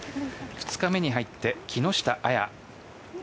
２日目に入って木下彩。